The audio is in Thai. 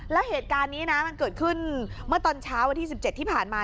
แล้วเหตุการณ์นี้นะมันเกิดขึ้นเมื่อตอนเช้าวันที่๑๗ที่ผ่านมา